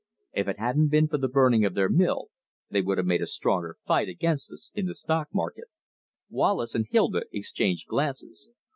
If it hadn't been for the burning of their mill, they would have made a stronger fight against us in the stock market." Wallace and Hilda exchanged glances.